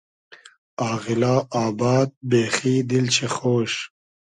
آغیلا آباد , بېخی دیل شی خۉش